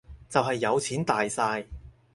就係有錢大晒